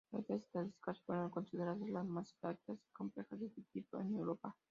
Estas estadísticas fueron consideradas las más exactas y completas de su tipo en Europa.